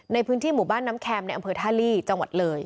ในพื้นที่หมู่บ้านน้ำแคมในอำเภอท่าลีจังหวัดเลย